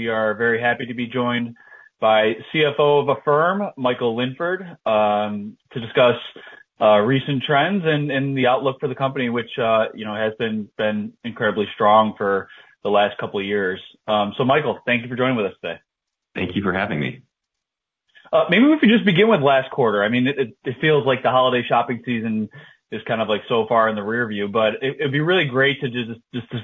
We are very happy to be joined by CFO of Affirm, Michael Linford, to discuss recent trends and the outlook for the company, which, you know, has been incredibly strong for the last couple of years. So Michael, thank you for joining with us today. Thank you for having me. Maybe if we could just begin with last quarter. I mean, it feels like the holiday shopping season is kind of like so far in the rearview, but it'd be really great to just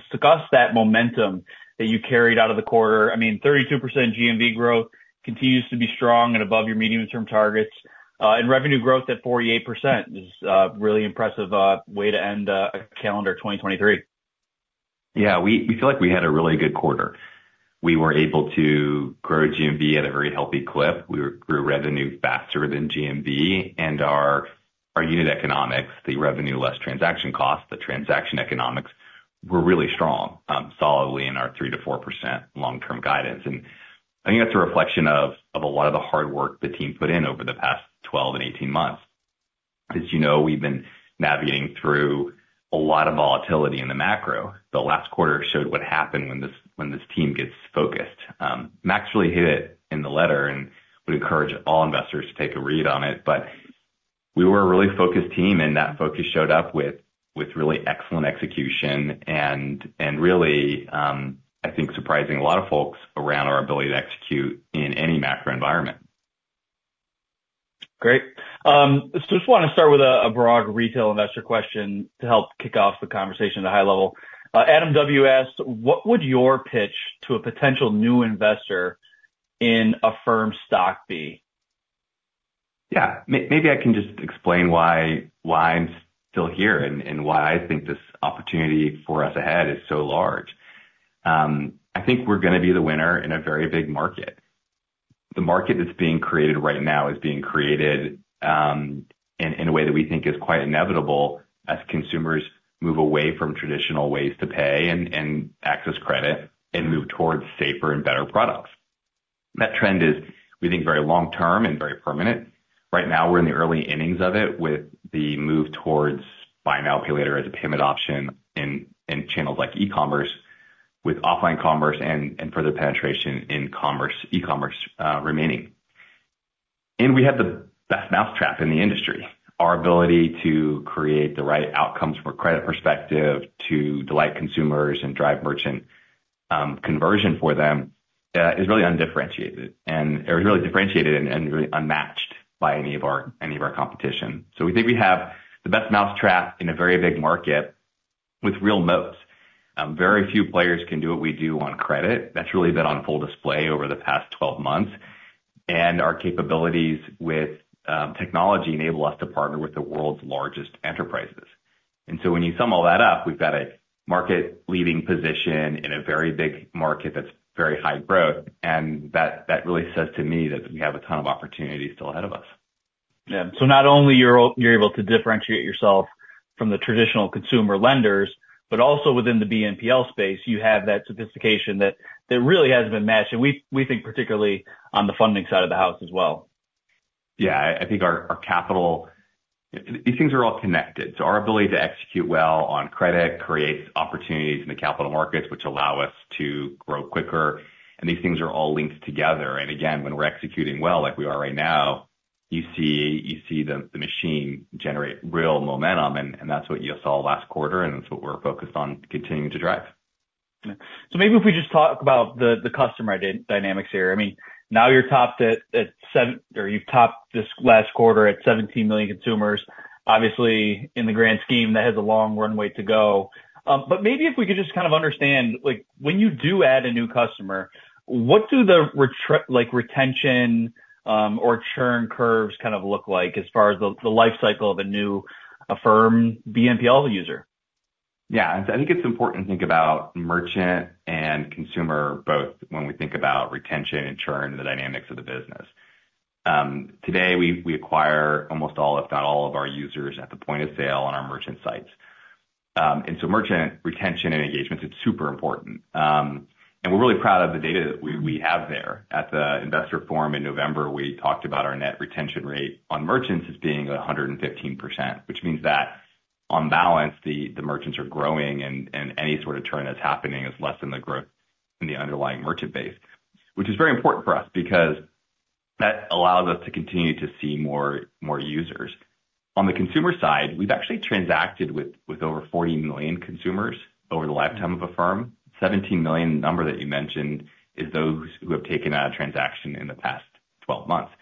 discuss that momentum that you carried out of the quarter. I mean, 32% GMV growth continues to be strong and above your medium-term targets, and revenue growth at 48% is really impressive way to end calendar 2023. Yeah, we, we feel like we had a really good quarter. We were able to grow GMV at a very healthy clip. We grew revenue faster than GMV and our, our unit economics, the revenue less transaction costs, the transaction economics, were really strong, solidly in our 3%-4% long-term guidance. And I think that's a reflection of, of a lot of the hard work the team put in over the past 12 and 18 months. As you know, we've been navigating through a lot of volatility in the macro. The last quarter showed what happened when this, when this team gets focused. Max really hit it in the letter, and would encourage all investors to take a read on it. But we were a really focused team, and that focus showed up with really excellent execution and really, I think, surprising a lot of folks around our ability to execute in any macro environment. Great. So just wanna start with a broad retail investor question to help kick off the conversation at a high level. Adam W. asks, "What would your pitch to a potential new investor in Affirm stock be? Yeah, maybe I can just explain why I'm still here and why I think this opportunity for us ahead is so large. I think we're gonna be the winner in a very big market. The market that's being created right now is being created in a way that we think is quite inevitable as consumers move away from traditional ways to pay and access credit and move towards safer and better products. That trend is, we think, very long-term and very permanent. Right now, we're in the early innings of it, with the move towards buy now, pay later as a payment option in channels like e-commerce, with offline commerce and further penetration in commerce, e-commerce remaining. And we have the best mousetrap in the industry. Our ability to create the right outcomes from a credit perspective to delight consumers and drive merchant conversion for them is really undifferentiated, and it was really differentiated and really unmatched by any of our, any of our competition. So we think we have the best mousetrap in a very big market with real moats. Very few players can do what we do on credit. That's really been on full display over the past 12 months, and our capabilities with technology enable us to partner with the world's largest enterprises. And so when you sum all that up, we've got a market-leading position in a very big market that's very high growth, and that really says to me that we have a ton of opportunity still ahead of us. Yeah. So not only you're able to differentiate yourself from the traditional consumer lenders, but also within the BNPL space, you have that sophistication that really hasn't been matched, and we think particularly on the funding side of the house as well. Yeah, I think our capital... These things are all connected, so our ability to execute well on credit creates opportunities in the capital markets, which allow us to grow quicker, and these things are all linked together. And again, when we're executing well, like we are right now, you see the machine generate real momentum, and that's what you saw last quarter, and that's what we're focused on continuing to drive. So maybe if we just talk about the customer dynamics here. I mean, now you've topped this last quarter at 17 million consumers. Obviously, in the grand scheme, that has a long runway to go. But maybe if we could just kind of understand, like, when you do add a new customer, what do the retention or churn curves kind of look like as far as the life cycle of a new Affirm BNPL user? Yeah, I think it's important to think about merchant and consumer both when we think about retention and churn and the dynamics of the business. Today, we acquire almost all, if not all, of our users at the point of sale on our merchant sites. And so merchant retention and engagement is super important. And we're really proud of the data that we have there. At the Investor Forum in November, we talked about our net retention rate on merchants as being 115%, which means that on balance, the merchants are growing and any sort of churn that's happening is less than the growth in the underlying merchant base, which is very important for us because that allows us to continue to see more users. On the consumer side, we've actually transacted with over 40 million consumers over the lifetime of Affirm. Seventeen million number that you mentioned is those who have taken out a transaction in the past 12 months.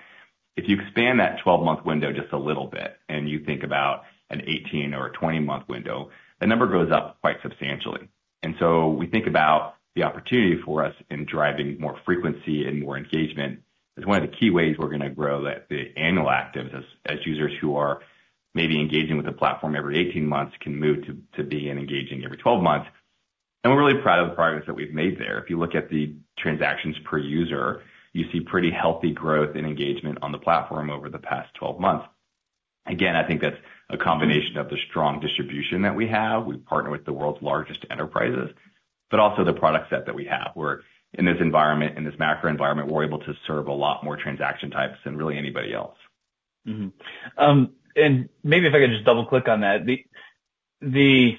If you expand that 12-month window just a little bit, and you think about an 18- or 20-month window, the number goes up quite substantially. And so we think about the opportunity for us in driving more frequency and more engagement as one of the key ways we're gonna grow the annual actives, as users who are maybe engaging with the platform every 18 months can move to be engaging every 12 months. And we're really proud of the progress that we've made there. If you look at the transactions per user, you see pretty healthy growth and engagement on the platform over the past 12 months. Again, I think that's a combination of the strong distribution that we have, we partner with the world's largest enterprises, but also the product set that we have, where in this environment, in this macro environment, we're able to serve a lot more transaction types than really anybody else. Mm-hmm. And maybe if I could just double-click on that. The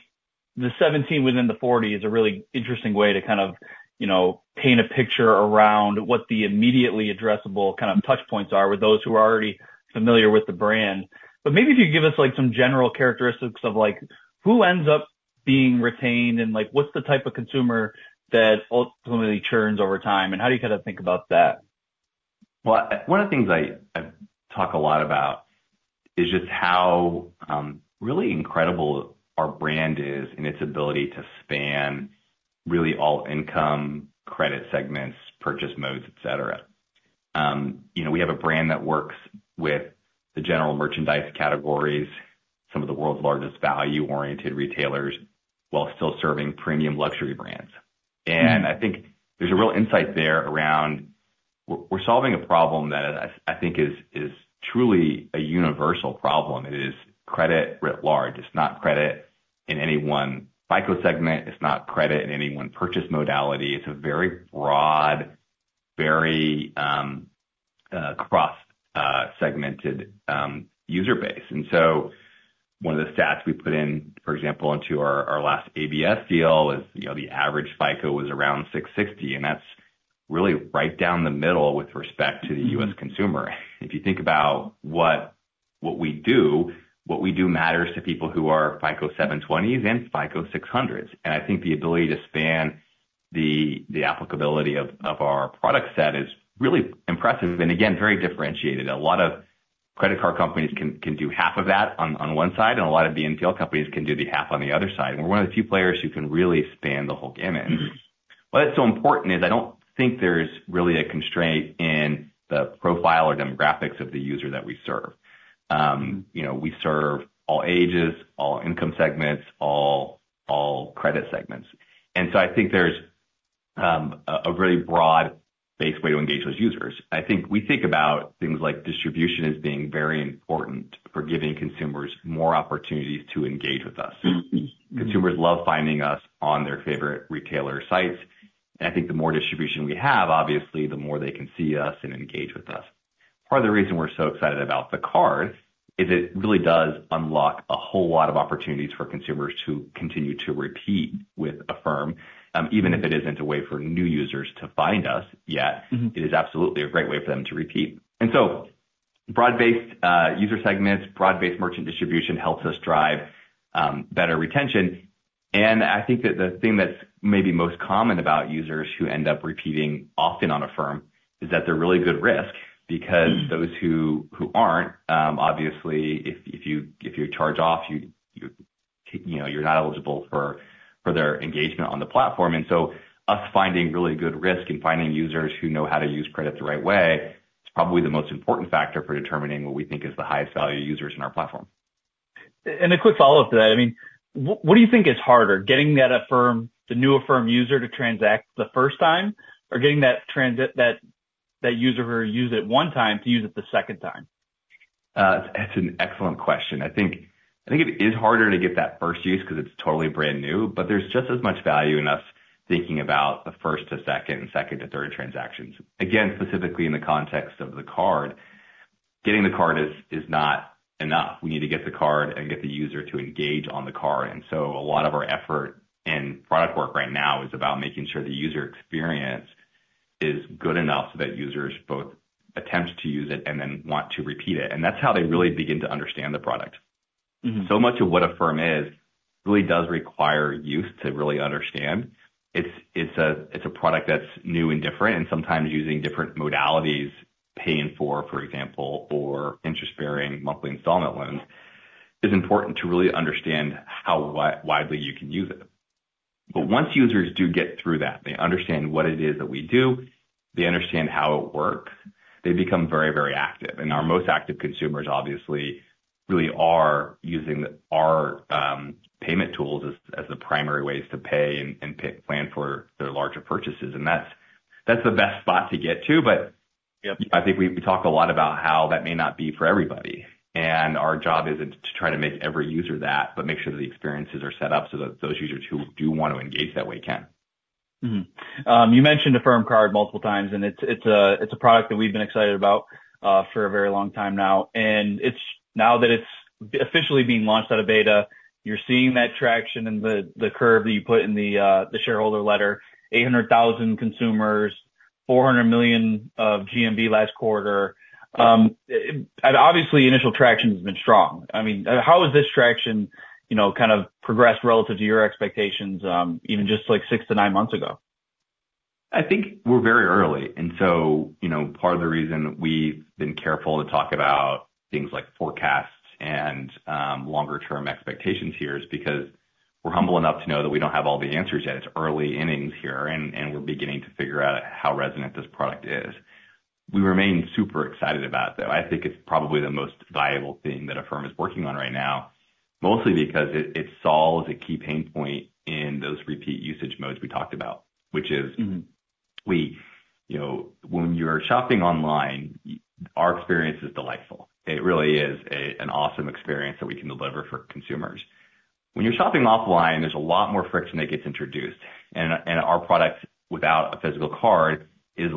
17 within the 40 is a really interesting way to kind of, you know, paint a picture around what the immediately addressable kind of touch points are with those who are already familiar with the brand. But maybe if you give us, like, some general characteristics of, like, who ends up being retained and, like, what's the type of consumer that ultimately churns over time, and how do you kind of think about that? Well, one of the things I talk a lot about is just how really incredible our brand is and its ability to span really all income, credit segments, purchase modes, et cetera. You know, we have a brand that works with the general merchandise categories, some of the world's largest value-oriented retailers, while still serving premium luxury brands. And I think there's a real insight there around we're solving a problem that I think is truly a universal problem. It is credit writ large. It's not credit in any one FICO segment. It's not credit in any one purchase modality. It's a very broad, very cross segmented user base. And so one of the stats we put in, for example, into our last ABS deal is, you know, the average FICO was around 660, and that's really right down the middle with respect to the U.S. consumer. If you think about what we do, what we do matters to people who are FICO 720s and FICO 600s. And I think the ability to span the applicability of our product set is really impressive, and again, very differentiated. A lot of credit card companies can do half of that on one side, and a lot of BNPL companies can do the half on the other side, and we're one of the few players who can really span the whole gamut. Why it's so important is I don't think there's really a constraint in the profile or demographics of the user that we serve. You know, we serve all ages, all income segments, all credit segments, and so I think there's a very broad-based way to engage those users. I think we think about things like distribution as being very important for giving consumers more opportunities to engage with us. Mm-hmm. Consumers love finding us on their favorite retailer sites, and I think the more distribution we have, obviously the more they can see us and engage with us. Part of the reason we're so excited about the card is it really does unlock a whole lot of opportunities for consumers who continue to repeat with Affirm, even if it isn't a way for new users to find us yet- Mm-hmm. It is absolutely a great way for them to repeat. And so broad-based user segments, broad-based merchant distribution helps us drive better retention, and I think that the thing that's maybe most common about users who end up repeating often on Affirm is that they're really good risk, because those who aren't, obviously, if you charge off, you know, you're not eligible for their engagement on the platform. And so us finding really good risk and finding users who know how to use credit the right way is probably the most important factor for determining what we think is the highest value users in our platform. A quick follow-up to that, I mean, what do you think is harder? Getting that Affirm, the new Affirm user to transact the first time, or getting that, that user who use it one time to use it the second time? That's an excellent question. I think it is harder to get that first use because it's totally brand new, but there's just as much value in us thinking about the first to second and second to third transactions. Again, specifically in the context of the card, getting the card is not enough. We need to get the card and get the user to engage on the card, and so a lot of our effort and product work right now is about making sure the user experience is good enough so that users both attempt to use it and then want to repeat it, and that's how they really begin to understand the product. Mm-hmm. So much of what Affirm is really does require us to really understand. It's a product that's new and different, and sometimes using different modalities, paying for, for example, or interest-bearing monthly installment loans, is important to really understand how widely you can use it. But once users do get through that, they understand what it is that we do, they understand how it works, they become very, very active. And our most active consumers obviously really are using our payment tools as the primary ways to pay and plan for their larger purchases, and that's the best spot to get to, but. Yep. I think we talk a lot about how that may not be for everybody. And our job isn't to try to make every user that, but make sure that the experiences are set up so that those users who do want to engage that way can. Mm-hmm. You mentioned Affirm Card multiple times, and it's, it's a, it's a product that we've been excited about for a very long time now, and it's... now that it's officially being launched out of beta, you're seeing that traction and the, the curve that you put in the shareholder letter, 800,000 consumers, $400 million of GMV last quarter. And obviously, initial traction has been strong. I mean, how has this traction, you know, kind of progressed relative to your expectations, even just like 6-9 months ago? I think we're very early, and so, you know, part of the reason we've been careful to talk about things like forecasts and, longer term expectations here is because we're humble enough to know that we don't have all the answers yet. It's early innings here, and, and we're beginning to figure out how resonant this product is. We remain super excited about it, though. I think it's probably the most viable thing that Affirm is working on right now, mostly because it, it solves a key pain point in those repeat usage modes we talked about, which is- Mm-hmm. You know, when you're shopping online, our experience is delightful. It really is a, an awesome experience that we can deliver for consumers. When you're shopping offline, there's a lot more friction that gets introduced, and our product without a physical card is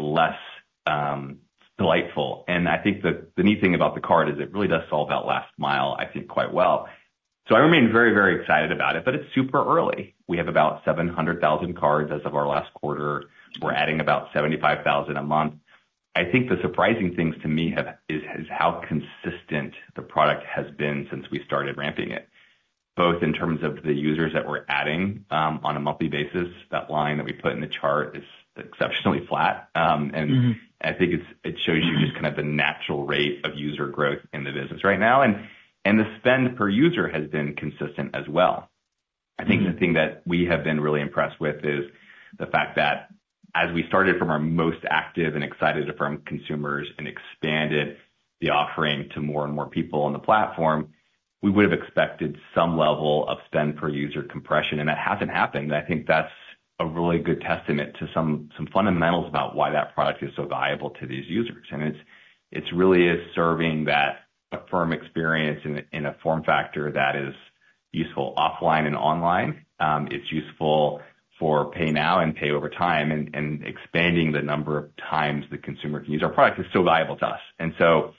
delightful, and I think the neat thing about the card is it really does solve that last mile, I think, quite well. So I remain very, very excited about it, but it's super early. We have about 700,000 cards as of our last quarter. We're adding about 75,000 a month. I think the surprising things to me is how consistent the product has been since we started ramping it, both in terms of the users that we're adding on a monthly basis. That line that we put in the chart is exceptionally flat. Mm-hmm. I think it's, it shows you just kind of the natural rate of user growth in the business right now, and the spend per user has been consistent as well. Mm-hmm. I think the thing that we have been really impressed with is the fact that as we started from our most active and excited Affirm consumers and expanded the offering to more and more people on the platform, we would have expected some level of spend per user compression, and that hasn't happened, and I think that's a really good testament to some fundamentals about why that product is so valuable to these users. And it's really is serving that Affirm experience in a form factor that is useful offline and online. It's useful for pay now and pay over time, and expanding the number of times the consumer can use our product is so valuable to us. And so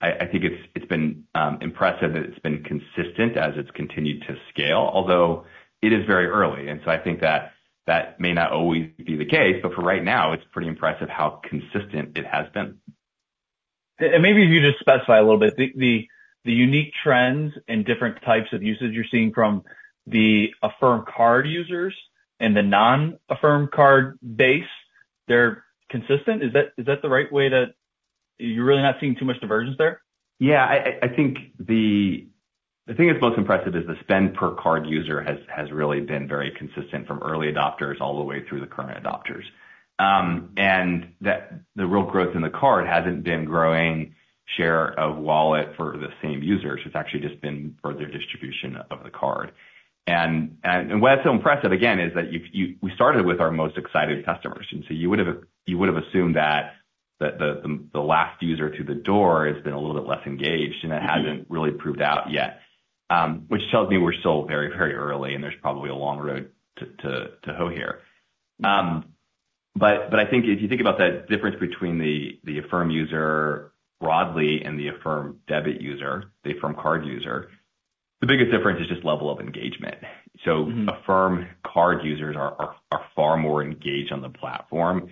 I think it's been impressive, and it's been consistent as it's continued to scale, although it is very early, and so I think that may not always be the case, but for right now, it's pretty impressive how consistent it has been. Maybe if you just specify a little bit, the unique trends and different types of usage you're seeing from the Affirm Card users and the non-Affirm Card base, they're consistent? Is that the right way to... You're really not seeing too much divergence there? Yeah, I think the thing that's most impressive is the spend per card user has really been very consistent from early adopters all the way through the current adopters. And that the real growth in the card hasn't been growing share of wallet for the same users. It's actually just been further distribution of the card. And why it's so impressive, again, is that we started with our most excited customers, and so you would have assumed that the last user through the door has been a little bit less engaged, and it hasn't really proved out yet. Which tells me we're still very, very early, and there's probably a long road to hoe here. But I think if you think about that difference between the Affirm user broadly and the Affirm debit user, the Affirm Card user, the biggest difference is just level of engagement. Mm-hmm. So Affirm Card users are far more engaged on the platform,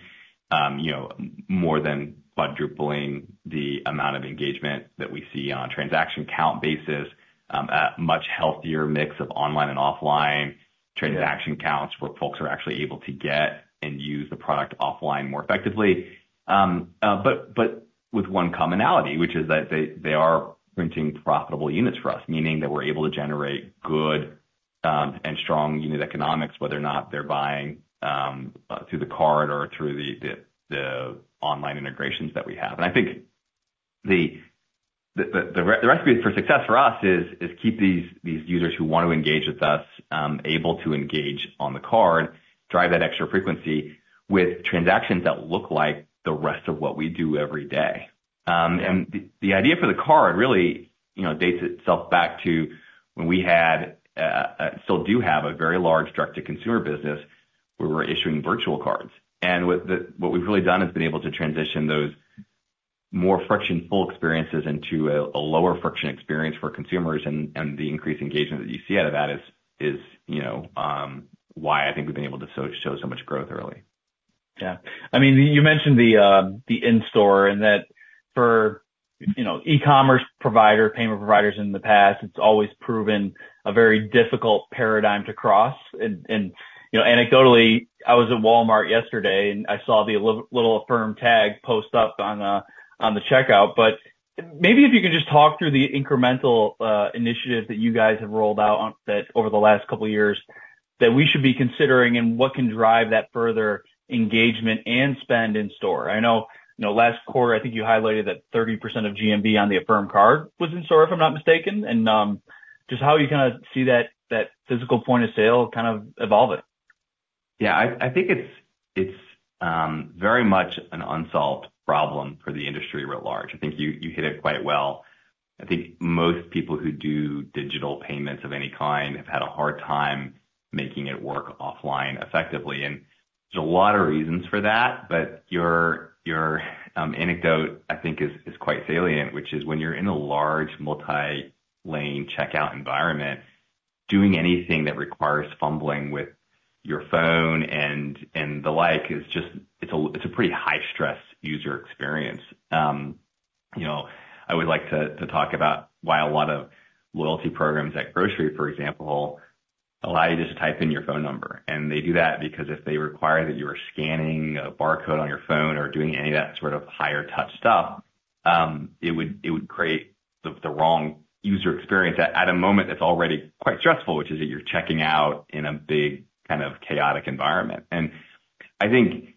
you know, more than quadrupling the amount of engagement that we see on a transaction count basis, a much healthier mix of online and offline transaction counts, where folks are actually able to get and use the product offline more effectively. But with one commonality, which is that they are printing profitable units for us, meaning that we're able to generate good and strong unit economics, whether or not they're buying through the card or through the online integrations that we have. I think the recipe for success for us is keep these users who want to engage with us able to engage on the card, drive that extra frequency with transactions that look like the rest of what we do every day. And the idea for the card really, you know, dates itself back to when we had, still do have a very large direct-to-consumer business, where we're issuing virtual cards. And what we've really done has been able to transition those more frictionful experiences into a lower friction experience for consumers, and the increased engagement that you see out of that is, you know, why I think we've been able to show so much growth early. Yeah. I mean, you mentioned the in-store and that for, you know, e-commerce provider, payment providers in the past, it's always proven a very difficult paradigm to cross. And you know, anecdotally, I was at Walmart yesterday, and I saw the little Affirm tag post up on the checkout. But maybe if you could just talk through the incremental initiative that you guys have rolled out on that over the last couple of years, that we should be considering and what can drive that further engagement and spend in store. I know, you know, last quarter, I think you highlighted that 30% of GMV on the Affirm Card was in store, if I'm not mistaken, and just how you kind of see that physical point of sale kind of evolving. Yeah, I think it's very much an unsolved problem for the industry writ large. I think you hit it quite well. I think most people who do digital payments of any kind have had a hard time making it work offline effectively, and there's a lot of reasons for that, but your anecdote, I think, is quite salient, which is when you're in a large multi-lane checkout environment, doing anything that requires fumbling with your phone and the like, is just... It's a pretty high-stress user experience. You know, I always like to talk about why a lot of loyalty programs at grocery, for example, allow you to just type in your phone number. And they do that because if they require that you are scanning a barcode on your phone or doing any of that sort of higher touch stuff, it would create the wrong user experience at a moment that's already quite stressful, which is that you're checking out in a big, kind of chaotic environment. And I think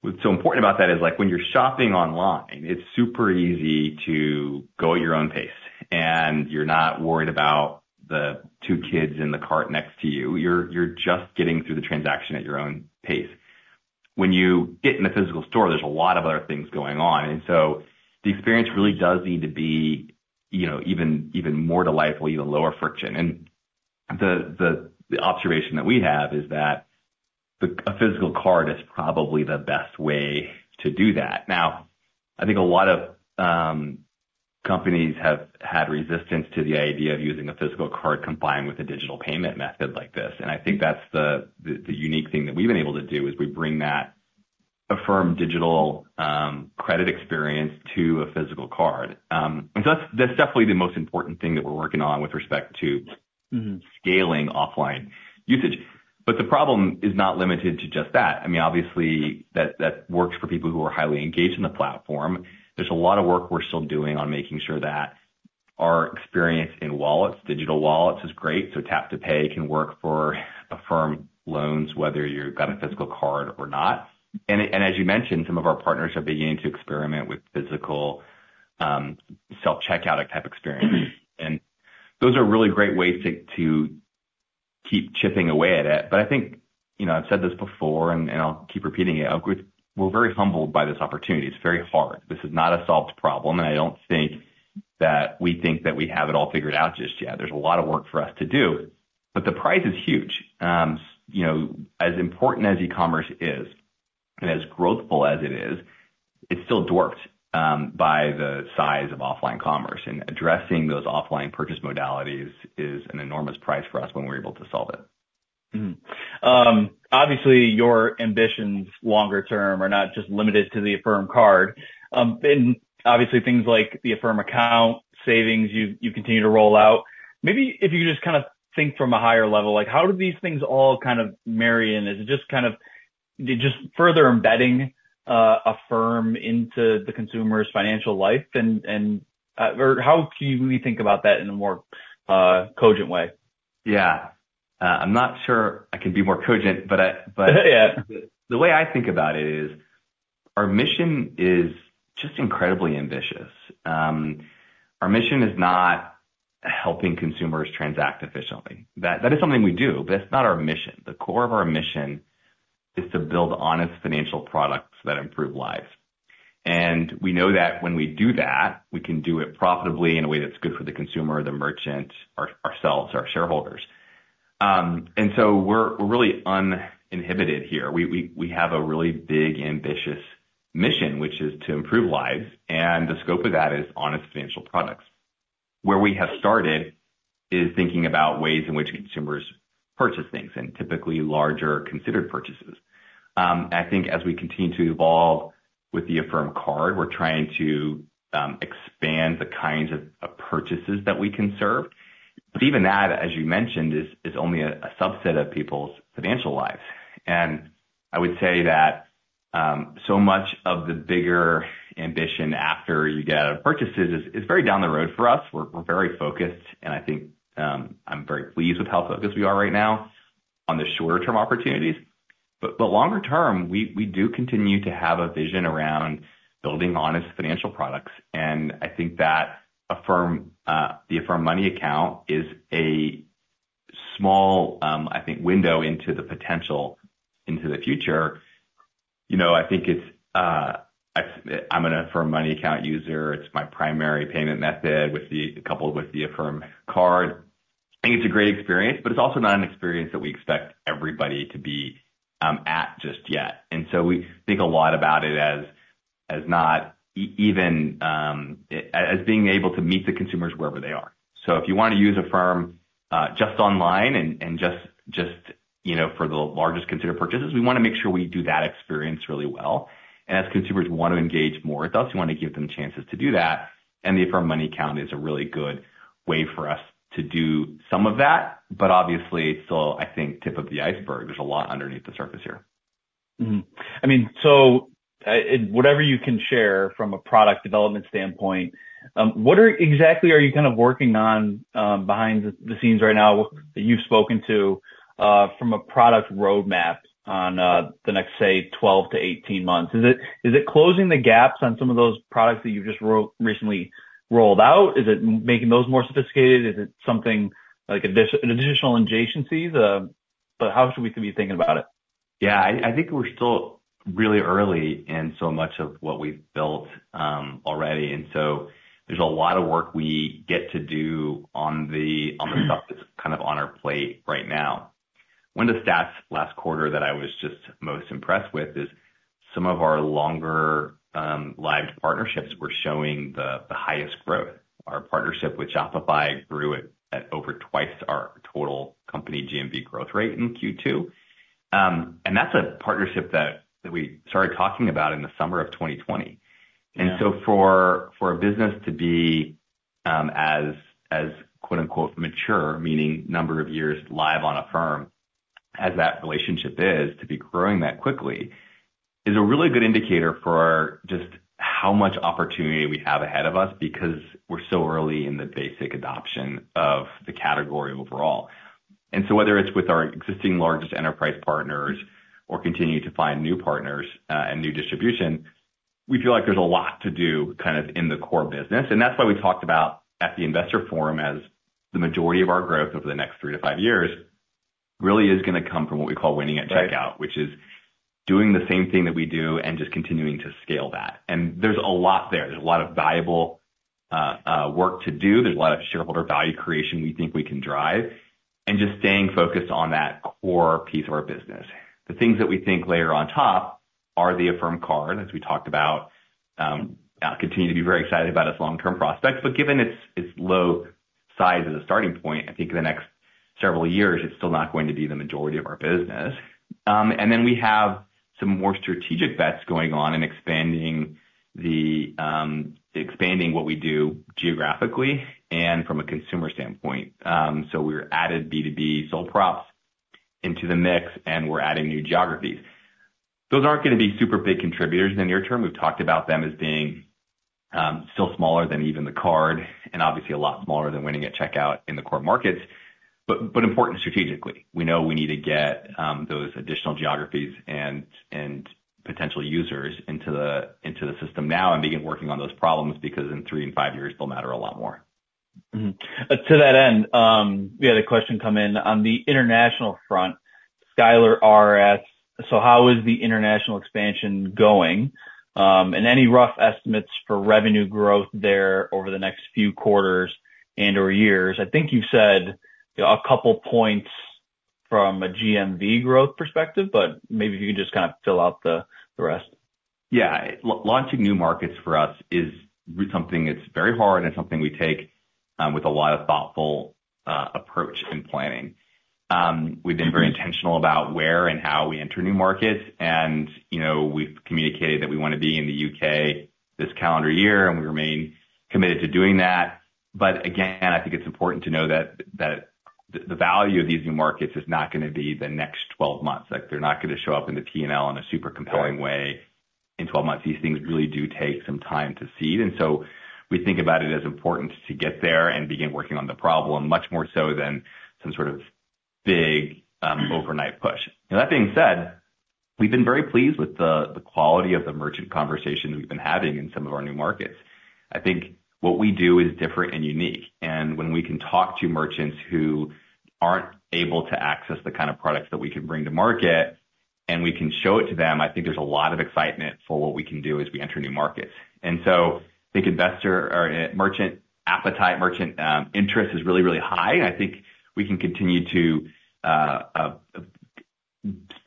what's so important about that is, like, when you're shopping online, it's super easy to go at your own pace, and you're not worried about the two kids in the cart next to you. You're just getting through the transaction at your own pace. When you get in a physical store, there's a lot of other things going on, and so the experience really does need to be, you know, even more delightful, even lower friction. And-... The observation that we have is that a physical card is probably the best way to do that. Now, I think a lot of companies have had resistance to the idea of using a physical card combined with a digital payment method like this. And I think that's the unique thing that we've been able to do, is we bring that Affirm digital credit experience to a physical card. And so that's definitely the most important thing that we're working on with respect to- Mm-hmm. Scaling offline usage. But the problem is not limited to just that. I mean, obviously, that works for people who are highly engaged in the platform. There's a lot of work we're still doing on making sure that our experience in wallets, digital wallets, is great, so tap-to-pay can work for Affirm loans, whether you've got a physical card or not. And as you mentioned, some of our partners are beginning to experiment with physical self-checkout type experiences. And those are really great ways to keep chipping away at it. But I think, you know, I've said this before and I'll keep repeating it. I'll keep... We're very humbled by this opportunity. It's very hard. This is not a solved problem, and I don't think that we think that we have it all figured out just yet. There's a lot of work for us to do, but the prize is huge. You know, as important as e-commerce is, and as growthful as it is, it's still dwarfed by the size of offline commerce, and addressing those offline purchase modalities is an enormous prize for us when we're able to solve it. Mm-hmm. Obviously, your ambitions longer term are not just limited to the Affirm Card. And obviously, things like the Affirm account, savings, you continue to roll out. Maybe if you could just kind of think from a higher level, like, how do these things all kind of marry in? Is it just kind of, just further embedding Affirm into the consumer's financial life? And, or how can we think about that in a more cogent way? Yeah. I'm not sure I can be more cogent, but I, but- Yeah. The way I think about it is, our mission is just incredibly ambitious. Our mission is not helping consumers transact efficiently. That, that is something we do, but that's not our mission. The core of our mission is to build honest financial products that improve lives. And we know that when we do that, we can do it profitably in a way that's good for the consumer, the merchant, ourselves, our shareholders. And so we're really uninhibited here. We have a really big, ambitious mission, which is to improve lives, and the scope of that is honest financial products. Where we have started is thinking about ways in which consumers purchase things, and typically larger considered purchases. I think as we continue to evolve with the Affirm Card, we're trying to expand the kinds of purchases that we can serve. But even that, as you mentioned, is only a subset of people's financial lives. And I would say that so much of the bigger ambition after you get out of purchases is very down the road for us. We're very focused, and I think I'm very pleased with how focused we are right now on the shorter term opportunities. But longer term, we do continue to have a vision around building honest financial products, and I think that Affirm, the Affirm Money Account is a small, I think, window into the potential into the future. You know, I think it's I- I'm an Affirm Money Account user. It's my primary payment method with the, coupled with the Affirm Card. I think it's a great experience, but it's also not an experience that we expect everybody to be at just yet. And so we think a lot about it as not even as being able to meet the consumers wherever they are. So if you wanna use Affirm just online and just, you know, for the largest considered purchases, we wanna make sure we do that experience really well. And as consumers want to engage more with us, we wanna give them chances to do that, and the Affirm Money Account is a really good way for us to do some of that, but obviously, it's still, I think, tip of the iceberg. There's a lot underneath the surface here. Mm-hmm. I mean, so, whatever you can share from a product development standpoint, what exactly are you kind of working on behind the scenes right now that you've spoken to from a product roadmap on the next, say, 12-18 months? Is it closing the gaps on some of those products that you just recently rolled out? Is it making those more sophisticated? Is it something like additional adjacencies? But how should we be thinking about it? Yeah. I, I think we're still really early in so much of what we've built, already, and so there's a lot of work we get to do on the, on the stuff that's kind of on our plate right now. One of the stats last quarter that I was just most impressed with is some of our longer, live partnerships were showing the, the highest growth. Our partnership with Shopify grew at, at over twice our total company GMV growth rate in Q2. And that's a partnership that, that we started talking about in the summer of 2020. Yeah. And so for a business to be as quote unquote "mature," meaning number of years live on Affirm, as that relationship is to be growing that quickly, is a really good indicator for just how much opportunity we have ahead of us, because we're so early in the basic adoption of the category overall. And so whether it's with our existing largest enterprise partners or continuing to find new partners and new distribution, we feel like there's a lot to do, kind of in the core business. And that's why we talked about, at the Investor Forum, as the majority of our growth over the next 3-5 years really is going to come from what we call winning at checkout, which is doing the same thing that we do and just continuing to scale that. And there's a lot there. There's a lot of valuable work to do. There's a lot of shareholder value creation we think we can drive, and just staying focused on that core piece of our business. The things that we think layer on top are the Affirm Card, as we talked about, continue to be very excited about its long-term prospects, but given its, its low size as a starting point, I think the next several years, it's still not going to be the majority of our business. And then we have some more strategic bets going on in expanding the expanding what we do geographically and from a consumer standpoint. So we've added B2B sole props into the mix, and we're adding new geographies. Those aren't going to be super big contributors in the near term. We've talked about them as being still smaller than even the card, and obviously a lot smaller than Winning at Checkout in the core markets, but important strategically. We know we need to get those additional geographies and potential users into the system now and begin working on those problems, because in three and five years, they'll matter a lot more. Mm-hmm. To that end, we had a question come in on the international front. Skyler R. asks: So how is the international expansion going? And any rough estimates for revenue growth there over the next few quarters and/or years? I think you said a couple points from a GMV growth perspective, but maybe if you can just kind of fill out the rest. Yeah. Launching new markets for us is something that's very hard and something we take with a lot of thoughtful approach and planning. We've been very intentional about where and how we enter new markets and, you know, we've communicated that we want to be in the UK this calendar year, and we remain committed to doing that. But again, I think it's important to know that the value of these new markets is not going to be the next 12 months. Like, they're not going to show up in the P&L in a super compelling way in 12 months. These things really do take some time to seed, and so we think about it as important to get there and begin working on the problem, much more so than some sort of big overnight push. Now, that being said, we've been very pleased with the quality of the merchant conversations we've been having in some of our new markets. I think what we do is different and unique, and when we can talk to merchants who aren't able to access the kind of products that we can bring to market and we can show it to them, I think there's a lot of excitement for what we can do as we enter new markets. And so I think investor or merchant appetite, merchant interest, is really, really high, and I think we can continue to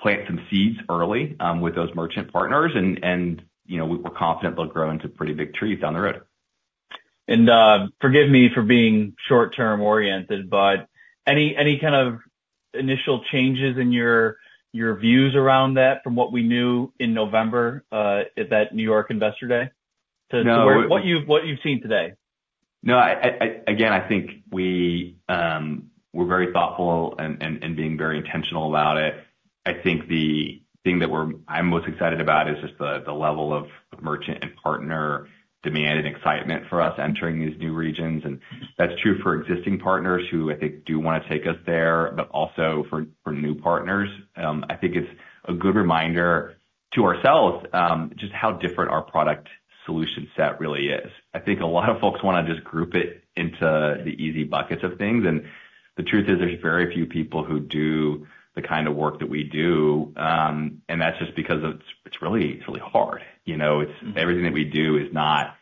plant some seeds early with those merchant partners and, you know, we're confident they'll grow into pretty big trees down the road. Forgive me for being short-term oriented, but any kind of initial changes in your views around that from what we knew in November at that New York Investor Day? No. To what you've seen today. No, again, I think we're very thoughtful and being very intentional about it. I think the thing that I'm most excited about is just the level of merchant and partner demand and excitement for us entering these new regions. And that's true for existing partners who I think do want to take us there, but also for new partners. I think it's a good reminder to ourselves just how different our product solution set really is. I think a lot of folks want to just group it into the easy buckets of things, and the truth is, there's very few people who do the kind of work that we do. And that's just because it's really hard. You know, it's everything that we do is not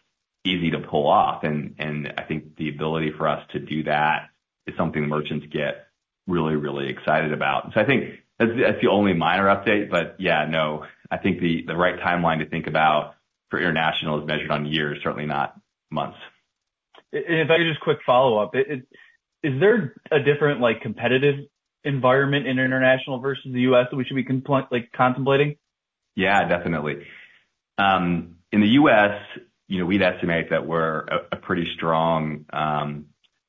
easy to pull off, and I think the ability for us to do that is something the merchants get really, really excited about. So I think that's the only minor update, but yeah, no, I think the right timeline to think about for international is measured on years, certainly not months. If I could just quick follow up. Is there a different, like, competitive environment in international versus the U.S. that we should be, like, contemplating? Yeah, definitely. In the U.S., you know, we'd estimate that we're a pretty strong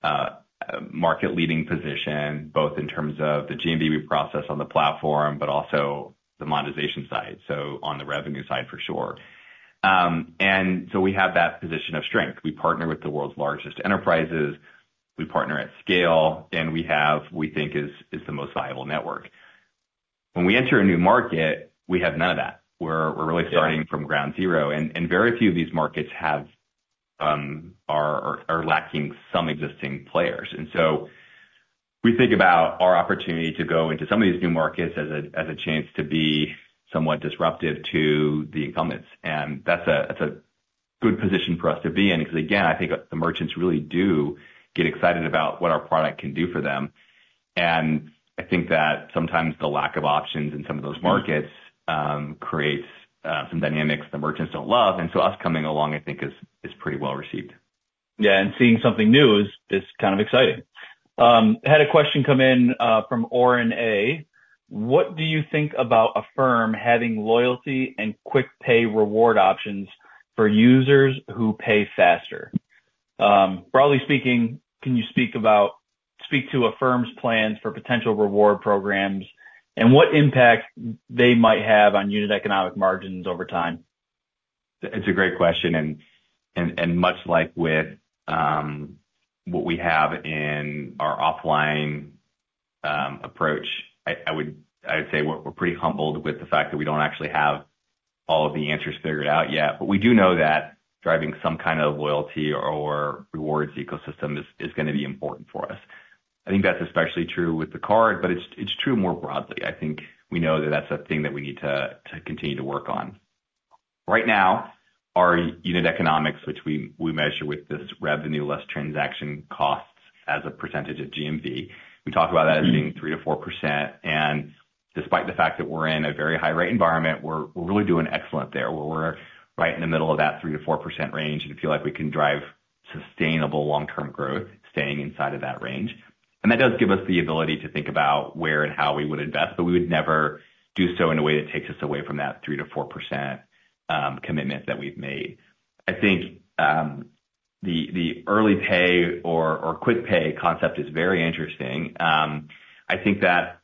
market-leading position, both in terms of the GMV we process on the platform, but also the monetization side, so on the revenue side for sure. And so we have that position of strength. We partner with the world's largest enterprises, we partner at scale, and we have what we think is the most viable network. When we enter a new market, we have none of that. We're really starting from ground zero, and very few of these markets are lacking some existing players. And so we think about our opportunity to go into some of these new markets as a chance to be somewhat disruptive to the incumbents. And that's a good position for us to be in, because, again, I think the merchants really do get excited about what our product can do for them. And I think that sometimes the lack of options in some of those markets creates some dynamics the merchants don't love, and so us coming along, I think, is pretty well received. Yeah, and seeing something new is kind of exciting. Had a question come in from Oren A.: What do you think about Affirm having loyalty and quick pay reward options for users who pay faster? Broadly speaking, can you speak to Affirm's plans for potential reward programs and what impact they might have on unit economic margins over time? It's a great question, and much like with what we have in our offline approach, I would say we're pretty humbled with the fact that we don't actually have all of the answers figured out yet, but we do know that driving some kind of loyalty or rewards ecosystem is gonna be important for us. I think that's especially true with the card, but it's true more broadly. I think we know that that's a thing that we need to continue to work on. Right now, our unit economics, which we measure with this revenue less transaction costs as a percentage of GMV, we talk about that as being 3%-4%, and despite the fact that we're in a very high-rate environment, we're really doing excellent there, where we're right in the middle of that 3%-4% range, and we feel like we can drive sustainable long-term growth, staying inside of that range. And that does give us the ability to think about where and how we would invest, but we would never do so in a way that takes us away from that 3%-4% commitment that we've made. I think, the early pay or quick pay concept is very interesting. I think that,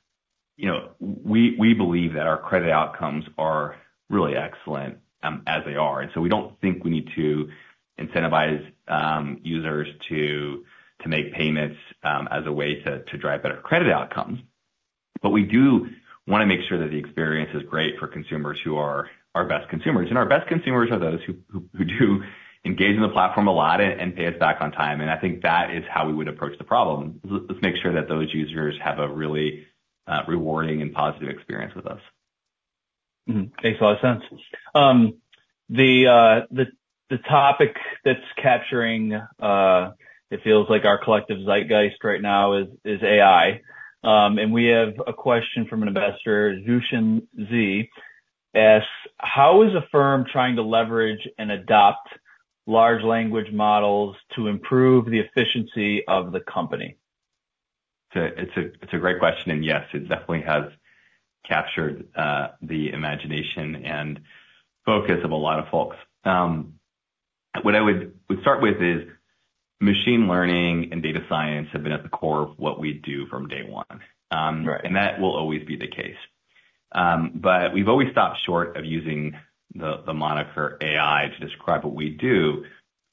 you know, we, we believe that our credit outcomes are really excellent, as they are, and so we don't think we need to incentivize, users to, to make payments, as a way to, to drive better credit outcomes. But we do wanna make sure that the experience is great for consumers who are our best consumers, and our best consumers are those who, who, who do engage in the platform a lot and pay us back on time, and I think that is how we would approach the problem. Let's make sure that those users have a really, rewarding and positive experience with us. Mm-hmm. Makes a lot of sense. The topic that's capturing it feels like our collective zeitgeist right now is AI. And we have a question from an investor, Zushan Z., asks: "How is Affirm trying to leverage and adopt large language models to improve the efficiency of the company? It's a great question, and yes, it definitely has captured the imagination and focus of a lot of folks. What I would start with is, machine learning and data science have been at the core of what we do from day one. Right. That will always be the case. But we've always stopped short of using the moniker AI to describe what we do,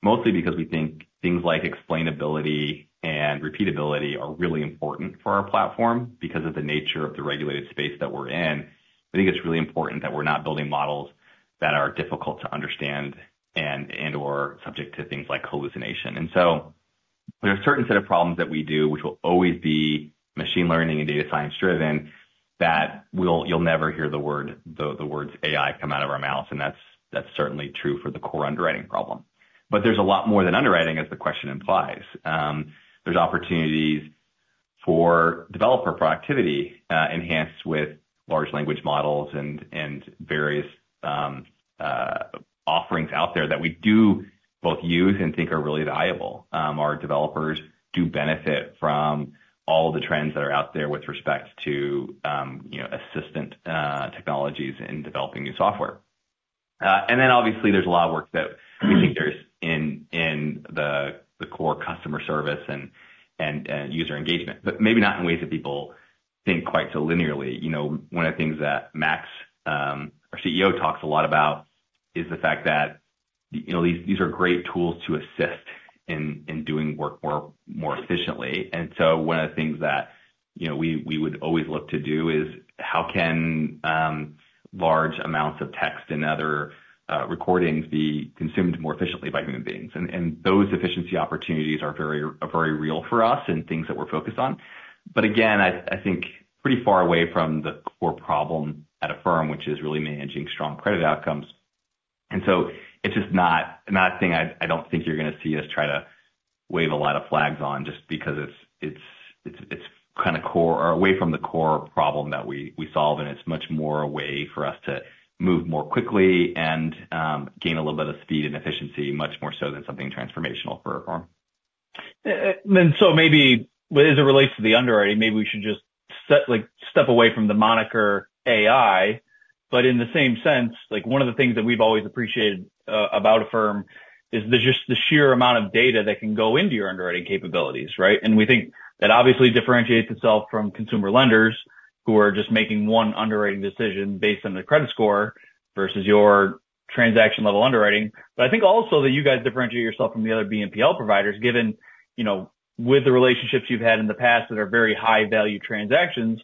mostly because we think things like explainability and repeatability are really important for our platform. Because of the nature of the regulated space that we're in, I think it's really important that we're not building models that are difficult to understand and/or subject to things like hallucination. So there are a certain set of problems that we do, which will always be machine learning and data science driven, that you'll never hear the words AI come out of our mouths, and that's certainly true for the core underwriting problem. But there's a lot more than underwriting, as the question implies. There's opportunities for developer productivity enhanced with large language models and various offerings out there that we do both use and think are really valuable. Our developers do benefit from all the trends that are out there with respect to you know, assistant technologies in developing new software. And then obviously, there's a lot of work that we think there is in the core customer service and user engagement, but maybe not in ways that people think quite so linearly. You know, one of the things that Max, our CEO, talks a lot about is the fact that you know, these are great tools to assist in doing work more efficiently. And so one of the things that, you know, we would always look to do is how can large amounts of text and other recordings be consumed more efficiently by human beings? And those efficiency opportunities are very real for us and things that we're focused on. But again, I think pretty far away from the core problem at Affirm, which is really managing strong credit outcomes. And so it's just not a thing I don't think you're gonna see us try to wave a lot of flags on just because it's kind of core or away from the core problem that we solve, and it's much more a way for us to move more quickly and gain a little bit of speed and efficiency, much more so than something transformational for Affirm. And so maybe as it relates to the underwriting, maybe we should just set, like, step away from the moniker AI. But in the same sense, like, one of the things that we've always appreciated, about Affirm is the just the sheer amount of data that can go into your underwriting capabilities, right? And we think that obviously differentiates itself from consumer lenders, who are just making one underwriting decision based on their credit score, versus your transaction-level underwriting. But I think also that you guys differentiate yourself from the other BNPL providers, given, you know, with the relationships you've had in the past that are very high-value transactions,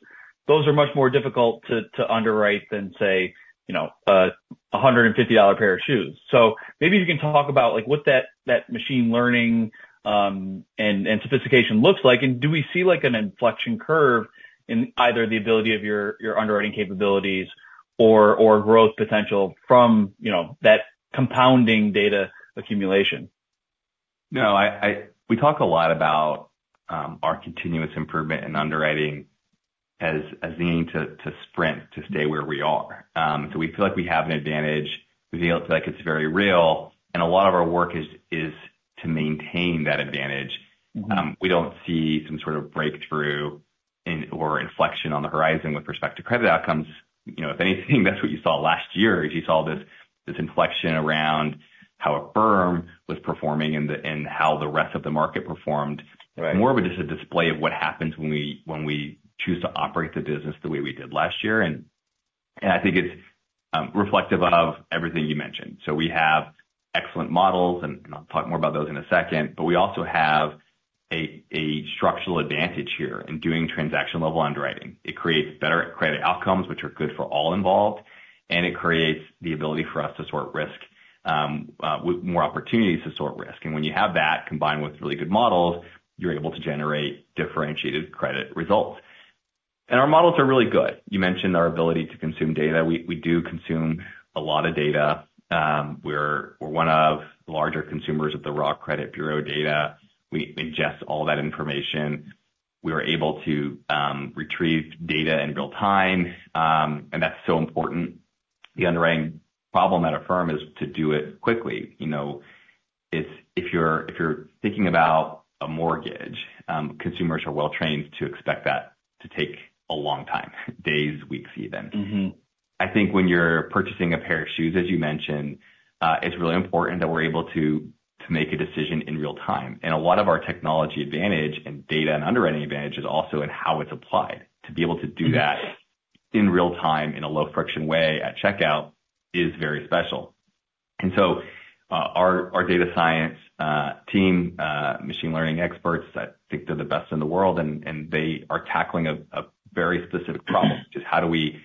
those are much more difficult to, to underwrite than say, you know, a $150 pair of shoes. So maybe you can talk about, like, what that machine learning and sophistication looks like, and do we see, like, an inflection curve in either the ability of your underwriting capabilities or growth potential from, you know, that compounding data accumulation? No, I... We talk a lot about our continuous improvement in underwriting as needing to sprint to stay where we are. So we feel like we have an advantage. We feel like it's very real, and a lot of our work is to maintain that advantage. We don't see some sort of breakthrough in or inflection on the horizon with respect to credit outcomes. You know, if anything, that's what you saw last year, is you saw this inflection around how Affirm was performing and how the rest of the market performed. Right. More of just a display of what happens when we choose to operate the business the way we did last year. And I think it's reflective of everything you mentioned. So we have excellent models, and I'll talk more about those in a second, but we also have a structural advantage here in doing transaction level underwriting. It creates better credit outcomes, which are good for all involved, and it creates the ability for us to sort risk with more opportunities to sort risk. And when you have that, combined with really good models, you're able to generate differentiated credit results. And our models are really good. You mentioned our ability to consume data. We do consume a lot of data. We're one of the larger consumers of the raw credit bureau data. We ingest all that information. We are able to retrieve data in real time, and that's so important. The underwriting problem at Affirm is to do it quickly. You know, if you're thinking about a mortgage, consumers are well trained to expect that to take a long time, days, weeks, even. Mm-hmm. I think when you're purchasing a pair of shoes, as you mentioned, it's really important that we're able to to make a decision in real time. And a lot of our technology advantage and data and underwriting advantage is also in how it's applied. To be able to do that- Mm-hmm... in real time, in a low friction way at checkout, is very special. And so, our data science team, machine learning experts, I think they're the best in the world, and they are tackling a very specific problem, which is how do we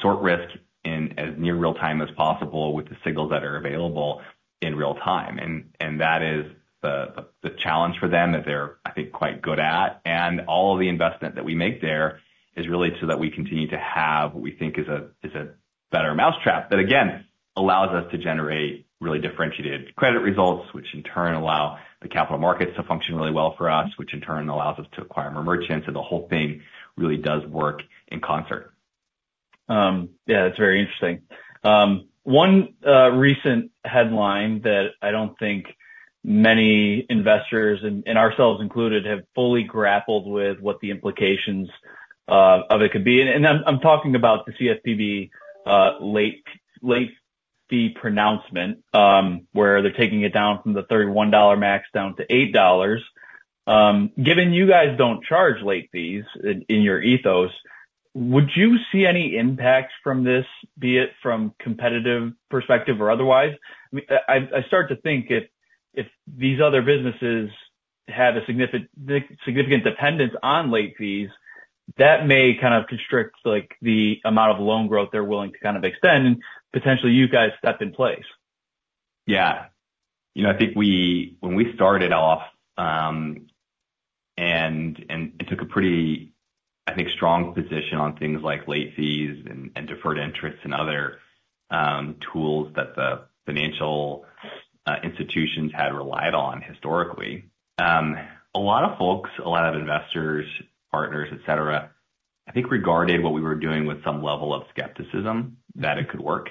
sort risk in as near real time as possible with the signals that are available in real time? And that is the challenge for them that they're, I think, quite good at. All of the investment that we make there is really so that we continue to have what we think is a better mousetrap, that again, allows us to generate really differentiated credit results, which in turn allow the capital markets to function really well for us, which in turn allows us to acquire more merchants, and the whole thing really does work in concert. Yeah, that's very interesting. One recent headline that I don't think many investors, and ourselves included, have fully grappled with what the implications of it could be, and I'm talking about the CFPB late fee pronouncement, where they're taking it down from the $31 max down to $8. Given you guys don't charge late fees in your ethos, would you see any impacts from this, be it from competitive perspective or otherwise? I start to think if these other businesses have a significant dependence on late fees, that may kind of constrict, like, the amount of loan growth they're willing to kind of extend, potentially you guys step in place. Yeah. You know, I think we—when we started off, and took a pretty, I think, strong position on things like late fees and deferred interest and other tools that the financial institutions had relied on historically, a lot of folks, a lot of investors, partners, et cetera, I think regarded what we were doing with some level of skepticism that it could work.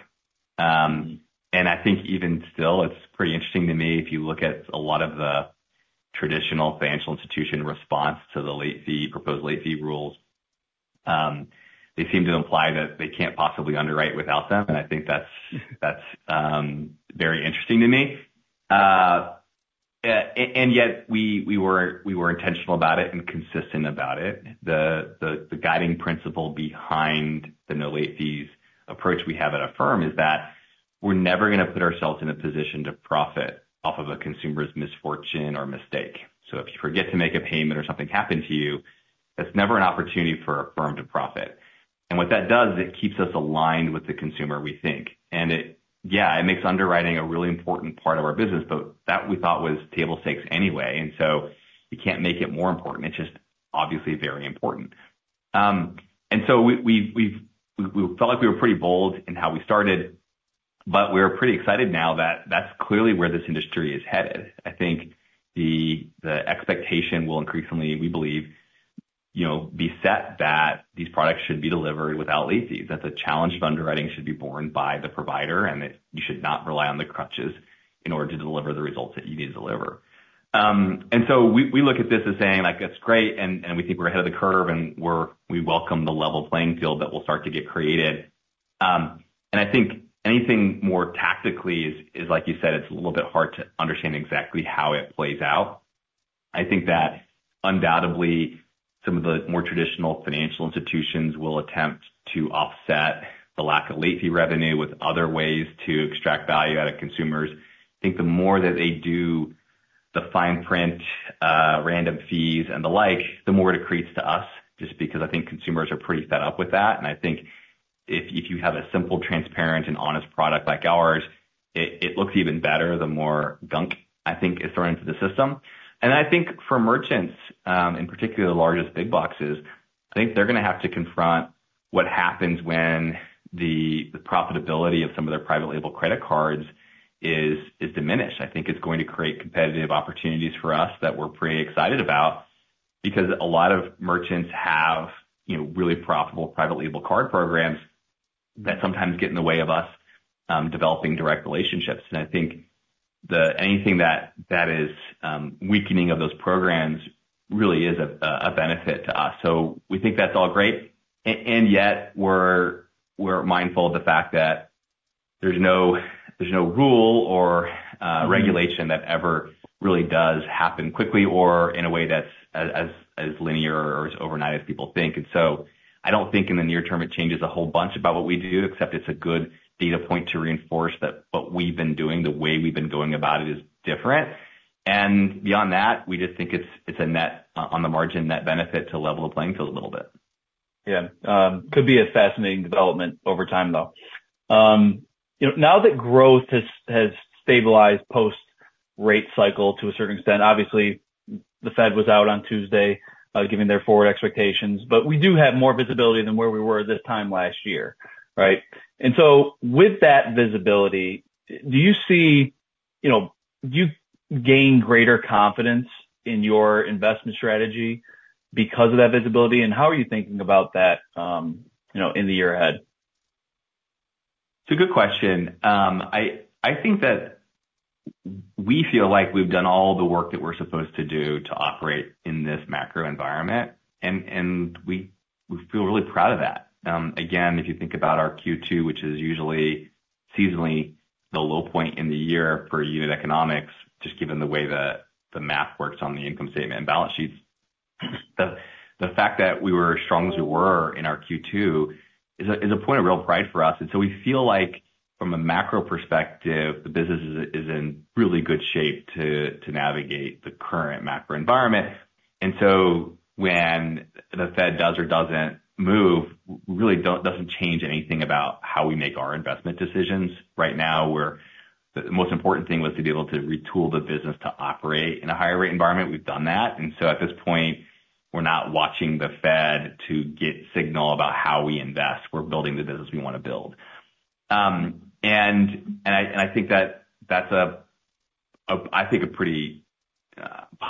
And I think even still, it's pretty interesting to me, if you look at a lot of the traditional financial institution response to the late fee, proposed late fee rules, they seem to imply that they can't possibly underwrite without them, and I think that's, that's very interesting to me. And yet, we were intentional about it and consistent about it. The guiding principle behind the no late fees approach we have at Affirm is that we're never gonna put ourselves in a position to profit off of a consumer's misfortune or mistake. So if you forget to make a payment or something happened to you, that's never an opportunity for Affirm to profit. And what that does, it keeps us aligned with the consumer, we think. And it... Yeah, it makes underwriting a really important part of our business, but that we thought was table stakes anyway, and so you can't make it more important. It's just obviously very important. And so we felt like we were pretty bold in how we started, but we're pretty excited now that that's clearly where this industry is headed. I think the expectation will increasingly, we believe, you know, be set that these products should be delivered without late fees. That the challenge of underwriting should be borne by the provider, and that you should not rely on the crutches in order to deliver the results that you need to deliver. And so we look at this as saying, like, it's great, and we think we're ahead of the curve, and we welcome the level playing field that will start to get created. And I think anything more tactically is, like you said, it's a little bit hard to understand exactly how it plays out. I think that undoubtedly some of the more traditional financial institutions will attempt to offset the lack of late fee revenue with other ways to extract value out of consumers. I think the more that they do the fine print, random fees and the like, the more it accretes to us, just because I think consumers are pretty fed up with that. And I think if, if you have a simple, transparent, and honest product like ours, it, it looks even better the more gunk, I think, is thrown into the system. And I think for merchants, in particular, the largest big boxes, I think they're gonna have to confront what happens when the, the profitability of some of their private label credit cards is, is diminished. I think it's going to create competitive opportunities for us that we're pretty excited about, because a lot of merchants have, you know, really profitable private label card programs that sometimes get in the way of us developing direct relationships. I think anything that is weakening of those programs really is a benefit to us. So we think that's all great, and yet, we're mindful of the fact that there's no rule or regulation that ever really does happen quickly or in a way that's as linear or as overnight as people think. And so I don't think in the near term it changes a whole bunch about what we do, except it's a good data point to reinforce that what we've been doing, the way we've been going about it, is different. And beyond that, we just think it's a net on the margin, net benefit to level the playing field a little bit.... Yeah, could be a fascinating development over time, though. You know, now that growth has stabilized post-rate cycle to a certain extent, obviously, the Fed was out on Tuesday, giving their forward expectations, but we do have more visibility than where we were this time last year, right? And so with that visibility, do you see, you know, do you gain greater confidence in your investment strategy because of that visibility? And how are you thinking about that, you know, in the year ahead? It's a good question. I think that we feel like we've done all the work that we're supposed to do to operate in this macro environment, and we feel really proud of that. Again, if you think about our Q2, which is usually seasonally the low point in the year for unit economics, just given the way the math works on the income statement and balance sheets, the fact that we were as strong as we were in our Q2 is a point of real pride for us. And so we feel like from a macro perspective, the business is in really good shape to navigate the current macro environment. And so when the Fed does or doesn't move, really doesn't change anything about how we make our investment decisions. Right now, we're the most important thing was to be able to retool the business to operate in a higher rate environment. We've done that. And so at this point, we're not watching the Fed to get signal about how we invest. We're building the business we want to build. And I think that's a pretty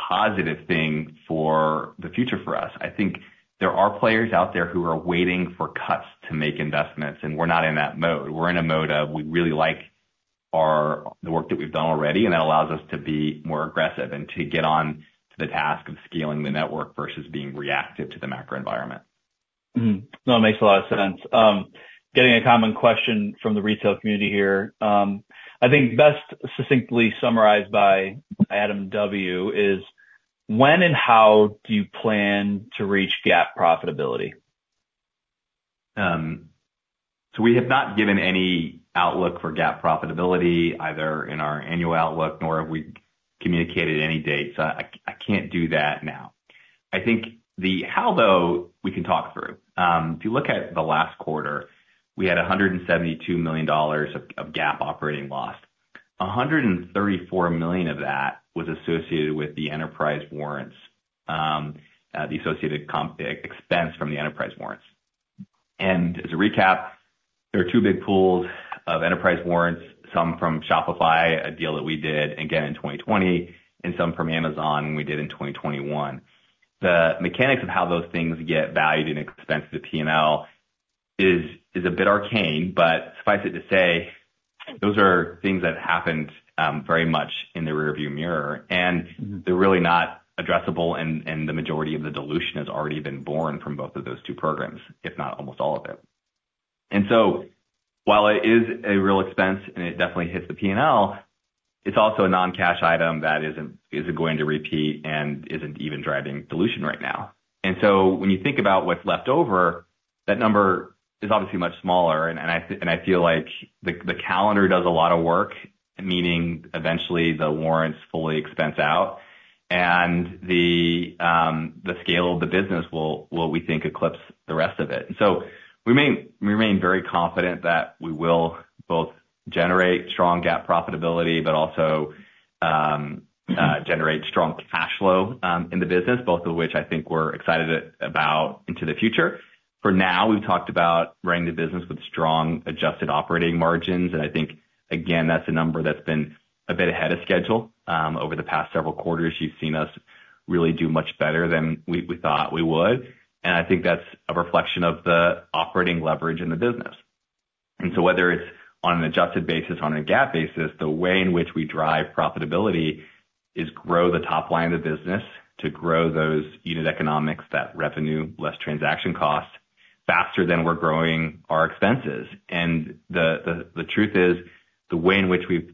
positive thing for the future for us. I think there are players out there who are waiting for cuts to make investments, and we're not in that mode. We're in a mode of, we really like our the work that we've done already, and that allows us to be more aggressive and to get on to the task of scaling the network versus being reactive to the macro environment. Mm-hmm. No, it makes a lot of sense. Getting a common question from the retail community here, I think best succinctly summarized by Adam W., is when and how do you plan to reach GAAP profitability? So we have not given any outlook for GAAP profitability, either in our annual outlook, nor have we communicated any dates. I can't do that now. I think the how, though, we can talk through. If you look at the last quarter, we had $172 million of GAAP operating loss. $134 million of that was associated with the enterprise warrants, the associated comp expense from the enterprise warrants. And as a recap, there are two big pools of enterprise warrants, some from Shopify, a deal that we did again in 2020, and some from Amazon, we did in 2021. The mechanics of how those things get valued and expensed to P&L is a bit arcane, but suffice it to say, those are things that happened very much in the rearview mirror, and they're really not addressable, and the majority of the dilution has already been borne from both of those two programs, if not almost all of it. While it is a real expense and it definitely hits the P&L, it's also a non-cash item that isn't going to repeat and isn't even driving dilution right now. When you think about what's left over, that number is obviously much smaller, and I feel like the calendar does a lot of work, meaning eventually the warrants fully expense out and the scale of the business will, we think, eclipse the rest of it. So we remain very confident that we will both generate strong GAAP profitability, but also, generate strong cash flow, in the business, both of which I think we're excited about into the future. For now, we've talked about running the business with strong adjusted operating margins, and I think, again, that's a number that's been a bit ahead of schedule. Over the past several quarters, you've seen us really do much better than we thought we would, and I think that's a reflection of the operating leverage in the business. And so whether it's on an adjusted basis, on a GAAP basis, the way in which we drive profitability is grow the top line of the business to grow those unit economics, that revenue, less transaction costs, faster than we're growing our expenses. The truth is, the way in which we've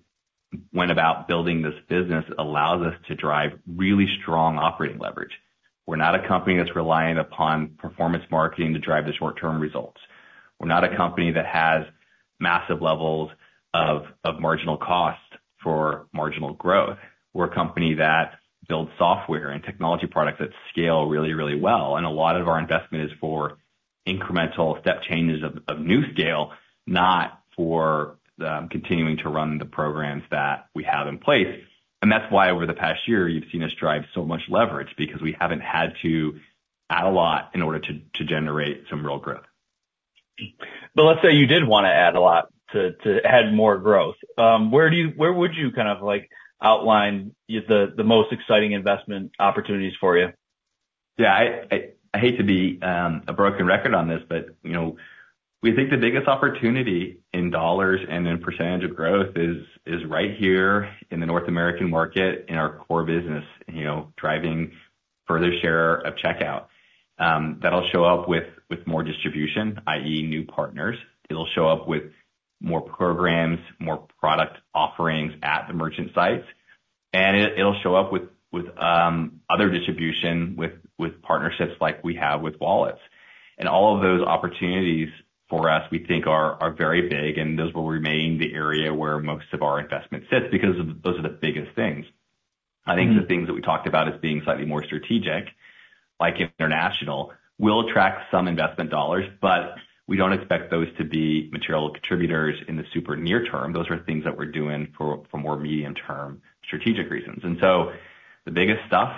went about building this business allows us to drive really strong operating leverage. We're not a company that's reliant upon performance marketing to drive the short-term results. We're not a company that has massive levels of marginal cost for marginal growth. We're a company that builds software and technology products that scale really, really well, and a lot of our investment is for incremental step changes of new scale, not for continuing to run the programs that we have in place. That's why over the past year, you've seen us drive so much leverage, because we haven't had to add a lot in order to generate some real growth. But let's say you did want to add a lot, to add more growth. Where would you kind of, like, outline the most exciting investment opportunities for you? Yeah, I hate to be a broken record on this, but, you know, we think the biggest opportunity in dollars and in percentage of growth is right here in the North American market, in our core business, you know, driving further share of checkout. That'll show up with more distribution, i.e., new partners. It'll show up with more programs, more product offerings at the merchant sites, and it'll show up with other distribution, with partnerships like we have with wallets. And all of those opportunities for us, we think are very big, and those will remain the area where most of our investment sits, because those are the biggest things.... I think the things that we talked about as being slightly more strategic, like international, will attract some investment dollars, but we don't expect those to be material contributors in the super near term. Those are things that we're doing for more medium-term strategic reasons. And so the biggest stuff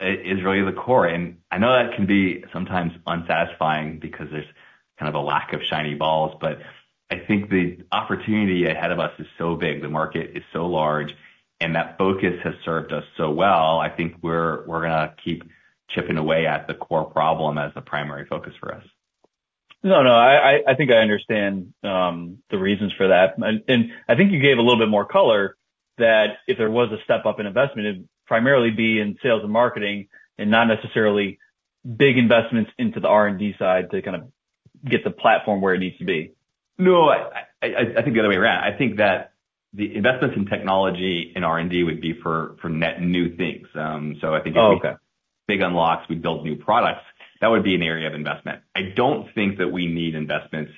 is really the core. And I know that can be sometimes unsatisfying because there's kind of a lack of shiny balls, but I think the opportunity ahead of us is so big, the market is so large, and that focus has served us so well, I think we're gonna keep chipping away at the core problem as the primary focus for us. No, no, I, I think I understand, the reasons for that. And, and I think you gave a little bit more color, that if there was a step up in investment, it'd primarily be in sales and marketing and not necessarily big investments into the R&D side to kind of get the platform where it needs to be. No, I think the other way around. I think that the investments in technology and R&D would be for net new things. So I think- Oh, okay. Big unlocks, we build new products, that would be an area of investment. I don't think that we need investments,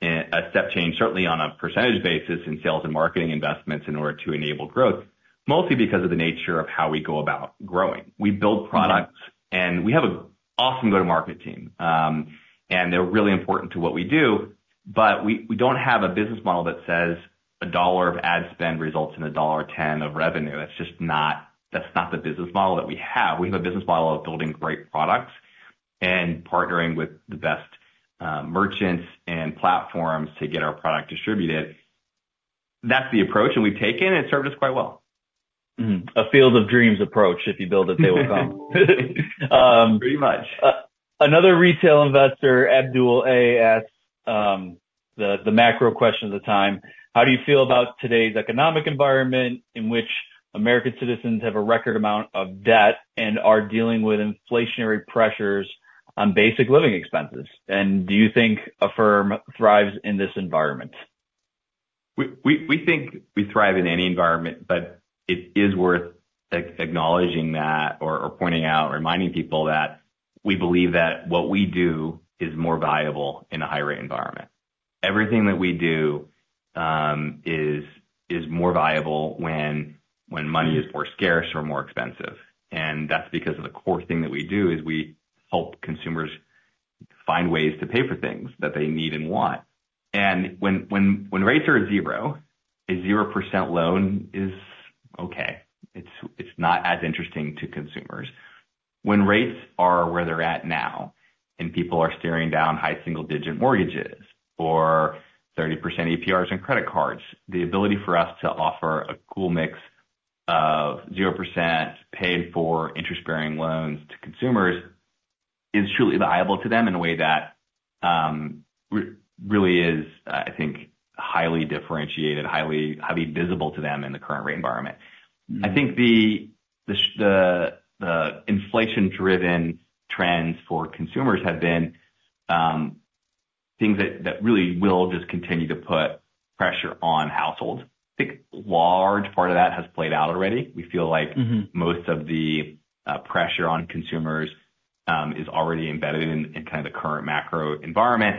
a step change, certainly on a percentage basis in sales and marketing investments in order to enable growth, mostly because of the nature of how we go about growing. We build products, and we have an awesome go-to-market team, and they're really important to what we do, but we don't have a business model that says a dollar of ad spend results in a dollar ten of revenue. That's just not the business model that we have. We have a business model of building great products and partnering with the best, merchants and platforms to get our product distributed. That's the approach that we've taken, and it served us quite well. Mm-hmm. A Field of Dreams approach. If you build it, they will come. Pretty much. Another retail investor, Abdul A., asks the macro question of the time: How do you feel about today's economic environment, in which American citizens have a record amount of debt and are dealing with inflationary pressures on basic living expenses? And do you think Affirm thrives in this environment? We think we thrive in any environment, but it is worth acknowledging that or pointing out, reminding people that we believe that what we do is more valuable in a high rate environment. Everything that we do is more valuable when money is more scarce or more expensive. And that's because of the core thing that we do, is we help consumers find ways to pay for things that they need and want. And when rates are at zero, a zero percent loan is okay. It's not as interesting to consumers. When rates are where they're at now, and people are staring down high single-digit mortgages or 30% APRs on credit cards, the ability for us to offer a cool mix of 0% paid for interest-bearing loans to consumers is truly viable to them in a way that really is, I think, highly differentiated, highly, highly visible to them in the current rate environment. I think the inflation-driven trends for consumers have been things that really will just continue to put pressure on households. I think a large part of that has played out already. We feel like- Mm-hmm... most of the pressure on consumers is already embedded in kind of the current macro environment.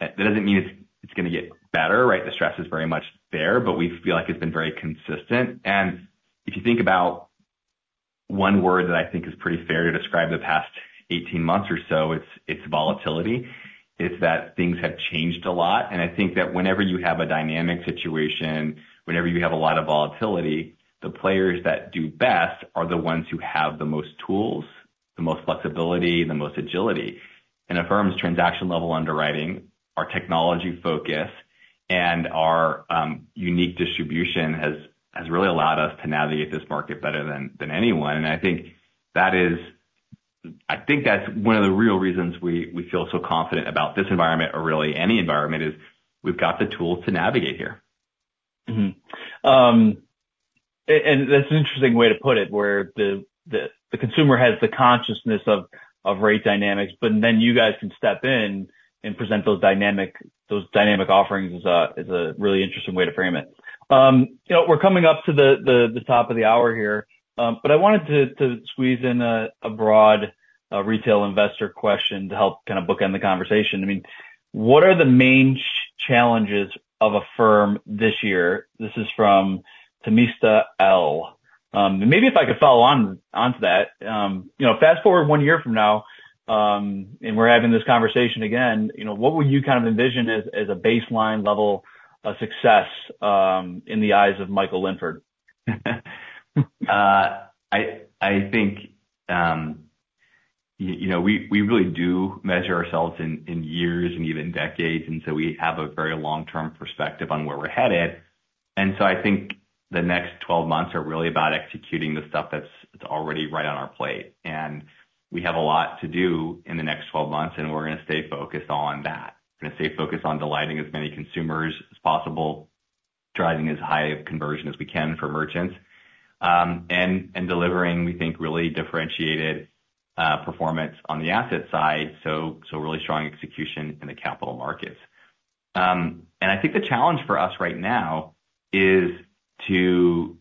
That doesn't mean it's gonna get better, right? The stress is very much there, but we feel like it's been very consistent. And if you think about one word that I think is pretty fair to describe the past 18 months or so, it's volatility. It's that things have changed a lot, and I think that whenever you have a dynamic situation, whenever you have a lot of volatility, the players that do best are the ones who have the most tools, the most flexibility, the most agility. And Affirm's transaction-level underwriting, our technology focus, and our unique distribution has really allowed us to navigate this market better than anyone. And I think that is... I think that's one of the real reasons we feel so confident about this environment or really any environment, is we've got the tools to navigate here. Mm-hmm. And that's an interesting way to put it, where the consumer has the consciousness of rate dynamics, but then you guys can step in and present those dynamic offerings is a really interesting way to frame it. You know, we're coming up to the top of the hour here, but I wanted to squeeze in a broad retail investor question to help kind of bookend the conversation. I mean, what are the main challenges of Affirm this year? This is from Tamista L. Maybe if I could follow onto that. You know, fast-forward one year from now, and we're having this conversation again, you know, what would you kind of envision as a baseline level of success in the eyes of Michael Linford? I think, you know, we really do measure ourselves in years and even decades, and so we have a very long-term perspective on where we're headed. So I think the next 12 months are really about executing the stuff that's already right on our plate. We have a lot to do in the next 12 months, and we're gonna stay focused on that. We're gonna stay focused on delighting as many consumers as possible, driving as high of conversion as we can for merchants, and delivering, we think, really differentiated performance on the asset side, so really strong execution in the capital markets. And I think the challenge for us right now is to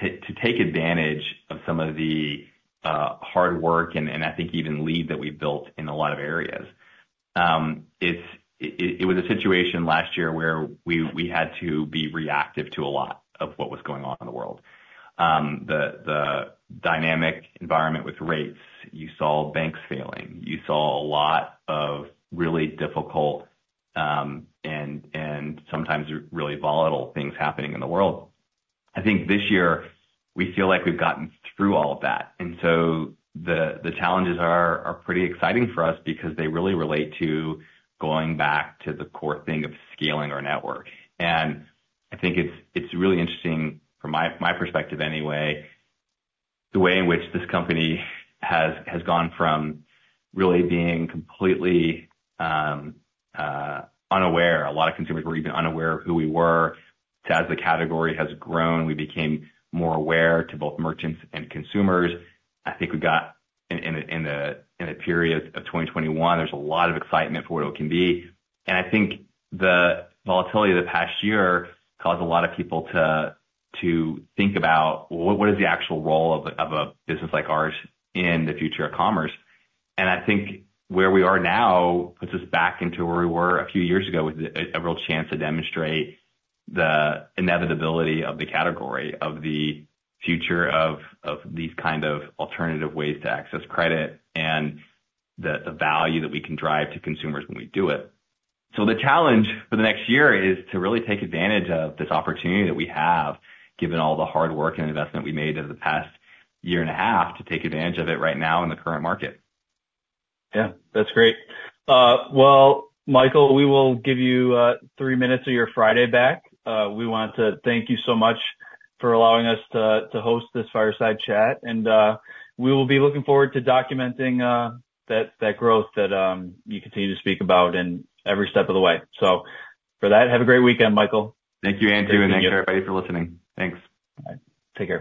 take advantage of some of the hard work and, and I think even lead that we've built in a lot of areas. It was a situation last year where we had to be reactive to a lot of what was going on in the world. The dynamic environment with rates, you saw banks failing, you saw a lot of really difficult and sometimes really volatile things happening in the world. I think this year, we feel like we've gotten through all of that, and so the challenges are pretty exciting for us because they really relate to going back to the core thing of scaling our network. And I think it's really interesting from my perspective anyway, the way in which this company has gone from really being completely unaware. A lot of consumers were even unaware of who we were. So as the category has grown, we became more aware to both merchants and consumers. I think we got in the period of 2021, there's a lot of excitement for what it can be. And I think the volatility of the past year caused a lot of people to think about what is the actual role of a business like ours in the future of commerce? I think where we are now puts us back into where we were a few years ago, with a real chance to demonstrate the inevitability of the category, of the future of these kind of alternative ways to access credit and the value that we can drive to consumers when we do it. So the challenge for the next year is to really take advantage of this opportunity that we have, given all the hard work and investment we made over the past year and a half, to take advantage of it right now in the current market. Yeah, that's great. Well, Michael, we will give you three minutes of your Friday back. We want to thank you so much for allowing us to host this fireside chat, and we will be looking forward to documenting that growth that you continue to speak about in every step of the way. So for that, have a great weekend, Michael. Thank you, Andrew, and thank you, everybody, for listening. Thanks. Bye. Take care.